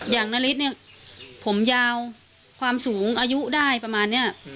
นาริสเนี่ยผมยาวความสูงอายุได้ประมาณนี้